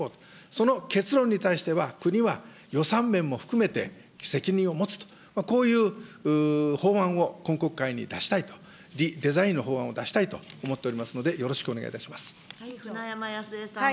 その結論に対しては、国は予算面も含めて、責任を持つと、こういう法案を今国会に出したいと、リデザインの法案を出したいと思っておりますので、よろしくお願舟山康江さん。